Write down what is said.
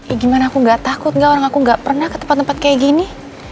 eh gimana aku gak takut gak orang aku gak pernah ke tempat tempat kayak gini